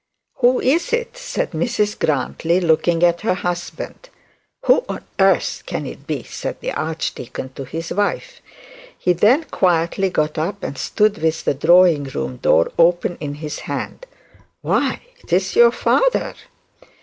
'Who is it?' said Mrs Grantly, looking at her husband. 'Who on earth can it be?' said the archdeacon to his wife. He then quietly got up and stood with the drawing room door open in his hand. 'Why, it is your father!'